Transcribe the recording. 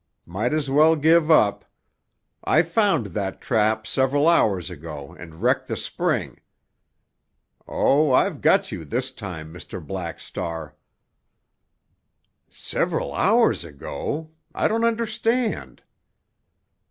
Might as well give up. I found that trap several hours ago and wrecked the spring. Oh, I've got you this time, Mr. Black Star!" "Several hours ago! I don't understand."